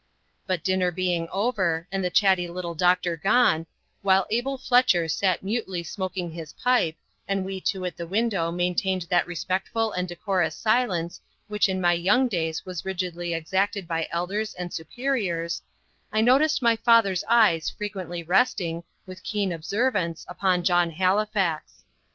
But dinner being over, and the chatty little doctor gone, while Abel Fletcher sat mutely smoking his pipe, and we two at the window maintained that respectful and decorous silence which in my young days was rigidly exacted by elders and superiors, I noticed my father's eyes frequently resting, with keen observance, upon John Halifax.